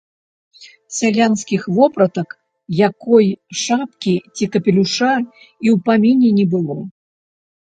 Сялянскіх вопратак, якой шапкі ці капелюша і ў паміне не было.